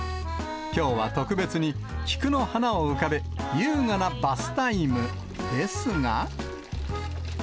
きょうは特別に、菊の花を浮かべ、優雅なバスタイムですが。